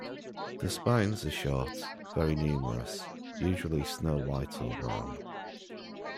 The spines are short, very numerous, usually snow white or brown.